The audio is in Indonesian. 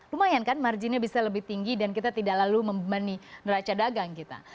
lumayan kan marginnya bisa lebih tinggi dan kita tidak lalu membebani neraca dagang kita